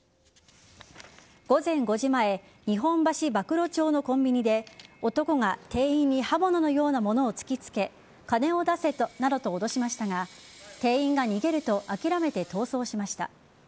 午前５時前日本橋馬喰町のコンビニで男が店員に刃物のようなものを突きつけ金を出せなどと脅しましたが店員が逃げると諦めて逃走しました。